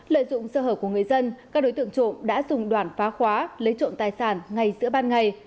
lợi dụng sơ hở của người dân các đối tượng trộm đã dùng đoàn phá khóa lấy trộm tài sản ngay giữa ban ngày